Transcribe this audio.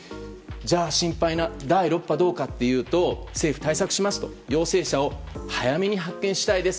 心配な第６波どうか政府は対策します、陽性者を早めに発見したいです。